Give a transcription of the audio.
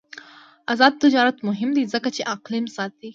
آزاد تجارت مهم دی ځکه چې اقلیم ساتي.